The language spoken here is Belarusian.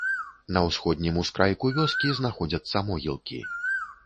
На усходнім ускрайку вёскі знаходзяцца могілкі.